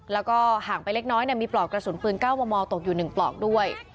แล้วก็ห่างไปเล็กน้อยมีปลอกกระสุนปืน๙มมตกอยู่๑ปลอกด้วย